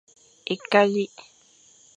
Ekalik.